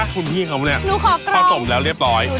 พี่ของผมเนี่ยพัสสมแล้วเรียบร้อย